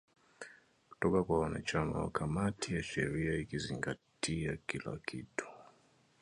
kutoka kwa wanachama wa kamati ya sheria ikizingatia kila kitu